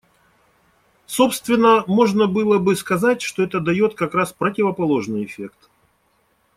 Собственно, можно было бы сказать, что это дает как раз противоположный эффект.